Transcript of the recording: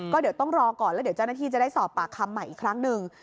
ก็เดี๋ยวต้องรอก่อนแล้วเดี๋ยวเจ้าหน้าที่จะได้สอบปากคำใหม่อีกครั้งหนึ่ง